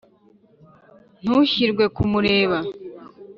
ntushirwe kumureba